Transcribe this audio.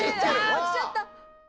落ちちゃった。